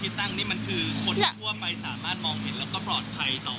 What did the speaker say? ตั้งนี่มันคือคนทั่วไปสามารถมองเห็นแล้วก็ปลอดภัยต่อ